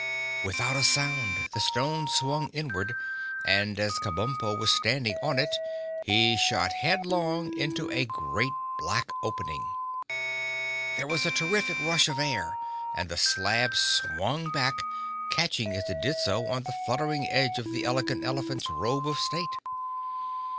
Without a sound, the stone swung inward, and as Kabumpo was standing on it he shot headlong into a great black opening. There was a terrific rush of air and the slab swung back, catching as it did so the fluttering edge of the Elegant Elephant's robe of state.